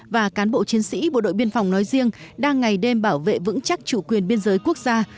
và cán bộ chiến sĩ bộ đội biên phòng nói riêng đang ngày đêm bảo vệ vững chắc chủ quyền biên giới quốc gia